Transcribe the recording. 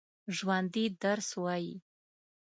ژوندي درس وايي